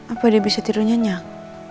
apa dia bisa tidur nyenyak